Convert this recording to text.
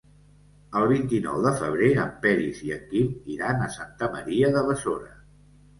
El vint-i-nou de febrer en Peris i en Quim iran a Santa Maria de Besora.